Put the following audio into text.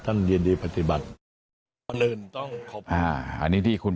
ท่านยินดีปฏิบัติ